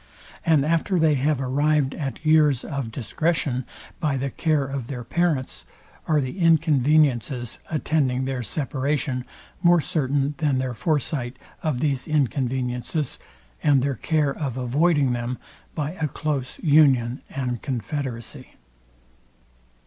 And after they have arrived at years of discretion by the care of their parents, are the inconveniencies attending their separation more certain than their foresight of these inconveniencies and their care of avoiding them by a close union and confederacy?